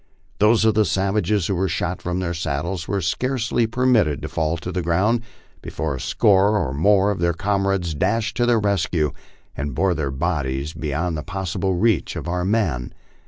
Those of the savages who were shot from their saddles were scarcely per mitted to fall to the ground before a score or more of their comrades dashed to their rescue and bore their bodies beyond the possible reach of our men.